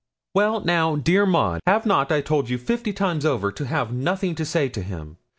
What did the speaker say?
'Well now, dear Maud, have not I told you fifty times over to have nothing to say to him?